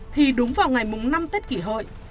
thì đúng vào ngày năm tết kỷ hội